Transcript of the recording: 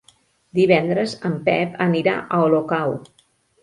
Divendres en Pep anirà a Olocau.